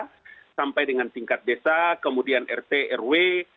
pusat dan daerah sampai dengan tingkat desa kemudian rt rw